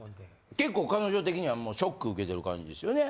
結構彼女的にはショック受けてる感じですよね。